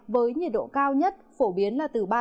với nhiệt độ cao nhất phổ biến là từ ba mươi sáu ba mươi bảy độ